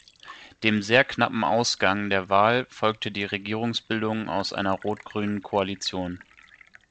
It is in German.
Dem sehr knappen Ausgang der Wahl folgte die Regierungsbildung aus einer rot-grünen Koalition.